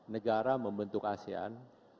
negara membentuk asean